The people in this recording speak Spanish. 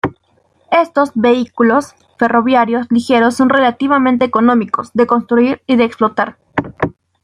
Estos vehículos ferroviarios ligeros son relativamente económicos de construir y de explotar.